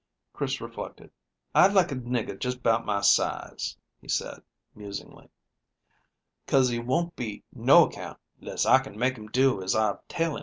Chris reflected. "I'd like a nigger jes' 'bout my size," he said musingly. "'Cause he won't be noaccount 'less I can make him do as I tell him.